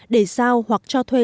để sao hoặc cho thuê